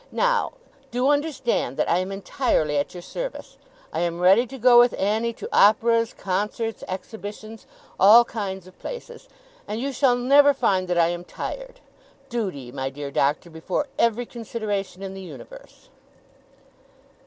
Now, do understand that I am entirely at your service. I am ready to go with Annie to operas, concerts, exhibitions, all kinds of places; and you shall never find that I am tired. Duty, my dear Doctor, before every consideration in the universe!